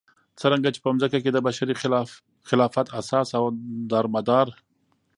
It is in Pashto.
څرنګه چې په ځمكه كې دبشري خلافت اساس او دارمدار